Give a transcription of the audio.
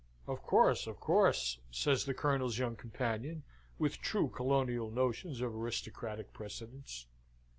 "Of course of course!" says the Colonel's young companion with true colonial notions of aristocratic precedence.